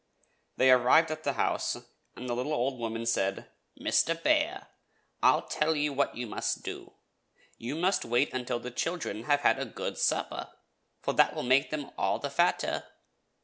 They arrived at the house, and the little old woman said: ''Mr. Bear, I will tell you what you must do — you must wait until the children have had a good supper, for that will make them all the fatter.